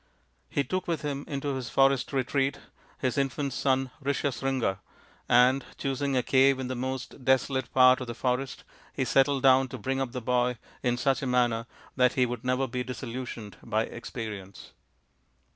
He took with him into his forest retreat his infant son Rishyasringa, and, choosing a cave in the most desolate part of the forest, he settled down to bring up the boy in such a manner that he would never be disillusioned by experience.